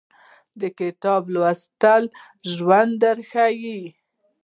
د کتاب لوستل ژوند درښایي